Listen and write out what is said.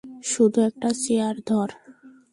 শুধু একটা চেয়ার ধর!